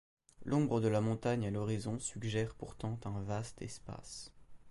L'ombre de la montagne à l'horizon suggère pourtant un vaste espace.